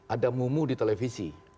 ada mumu di televisi